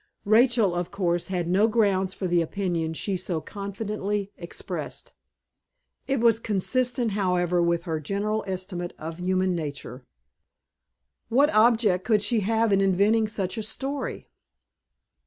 Rachel, of course, had no grounds for the opinion she so confidently expressed. It was consistent, however, with her general estimate of human nature. "What object could she have in inventing such a story?"